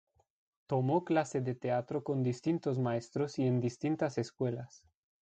Tomó clase de teatro con distintos maestros y en distintas escuelas.